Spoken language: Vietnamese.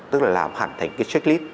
tức là làm hẳn thành checklist